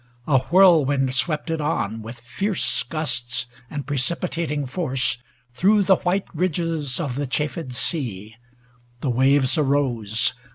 A whirlwind swept it on, 32a With fierce gusts and precipitating force, Through the white ridges of the chafed sea. The waves arose.